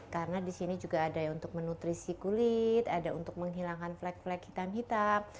karena di sini juga ada untuk menutrisi kulit ada untuk menghilangkan flek flek hitam hitam